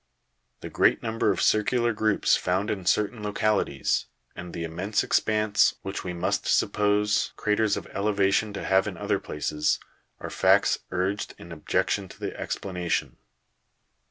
The great number of circular groups found in certain localities, and the immense expanse which we must suppose craters of elevation to have in other places, are facts urged in objection to the explanation.